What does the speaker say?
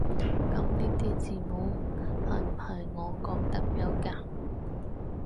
噉呢啲字母係唔係俄國特有㗎？